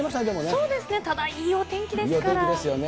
そうですね、ただ、いいお天いいお天気ですよね。